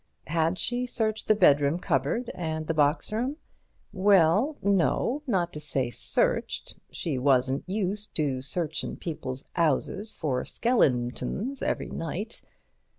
Had she searched the bedroom cupboard and the box room? Well, no, not to say searched; she wasn't used to searchin' people's 'ouses for skelintons every night.